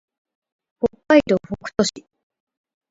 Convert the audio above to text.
北海道北斗市